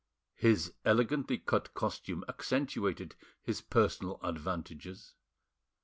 His elegantly cut costume accentuated his personal advantages.